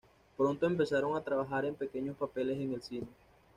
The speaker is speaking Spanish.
Pronto empezaron a trabajar en pequeños papeles en el cine.